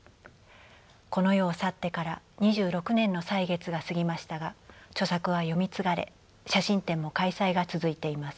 この世を去ってから２６年の歳月が過ぎましたが著作は読み継がれ写真展も開催が続いています。